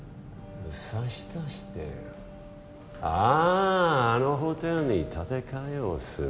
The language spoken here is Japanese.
あああのホテルに建て替えをする。